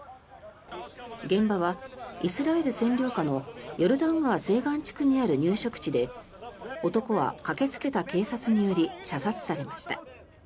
現場はイスラエル占領下のヨルダン川西岸地区にある入植地で男は駆けつけた警察により射殺されました。